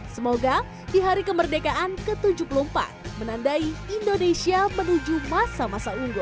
semoga di hari kemerdekaan ke tujuh puluh empat menandai indonesia menuju masa masa unggul